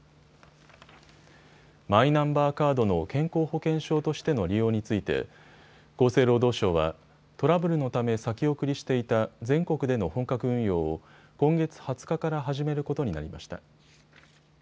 マイナンバーカードの健康保険証としての利用について厚生労働省は、トラブルのため先送りしていた全国での本格運用を今月２０日から始めることになりました。